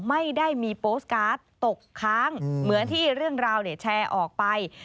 ไม่ได้มีโปสตการ์ดตกค้างเหมือนที่เรื่องราวแชร์ออกไป